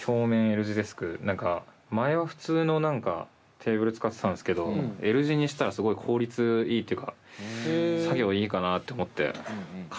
何か前は普通のテーブル使ってたんすけどＬ字にしたらすごい効率いいっていうか作業いいかなって思って買いました。